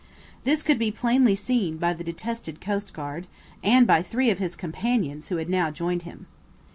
This could be plainly seen by the detested coastguard, and by three of his companions who had now joined him.